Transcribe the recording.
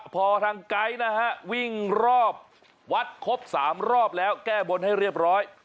พอทางไก๊นะฮะวิ่งรอบวัดครบ๓รอบแล้วแก้บนให้เรียบร้อย